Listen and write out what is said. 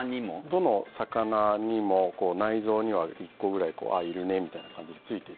どの魚にも内臓には１個ぐらいあっ、いるねみたいな感じでついてて。